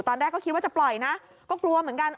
ตอนแรกก็คิดว่าจะปล่อยนะก็กลัวเหมือนกัน